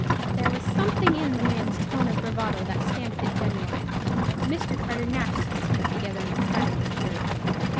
There was something in the man's tone of bravado that stamped it genuine. Mr. Carter gnashed his teeth together in a silent fury.